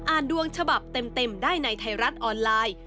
ดวงฉบับเต็มได้ในไทยรัฐออนไลน์